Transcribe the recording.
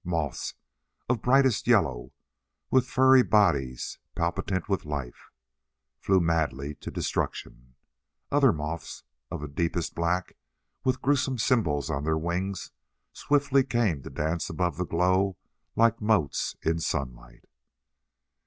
Moths of brightest yellow, with furry bodies palpitant with life, flew madly to destruction. Other moths of a deepest black, with gruesome symbols on their wings, swiftly came to dance above the glow like motes in sunlight.